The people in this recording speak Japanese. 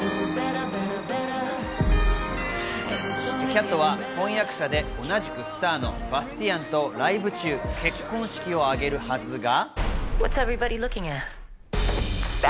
キャットは婚約者で同じくスターのバスティアンとライブ中、結婚式をあげるはずが。